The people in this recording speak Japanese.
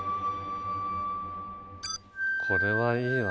これはいいわ。